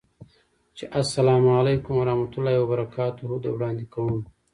چې اسلام علیکم ورحمة الله وبرکاته ده، وړاندې کوم